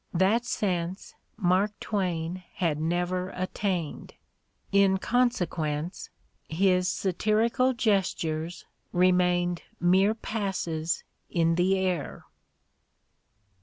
That sense Mark Twain had never attained: in consequence, his satirical gestures remained mere passes in the air.